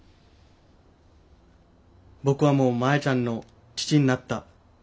僕はもうマヤちゃんの父になった。